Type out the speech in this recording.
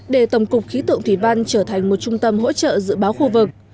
để tổng cục khí tượng thủy văn trở thành một trung tâm hỗ trợ dự báo khu vực